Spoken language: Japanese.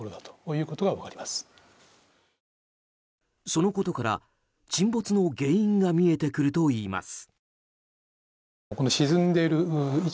そのことから沈没の原因が見えてくるといいます。